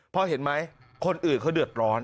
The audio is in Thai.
พอเห็นไหมคนอื่นเขาเดือดร้อน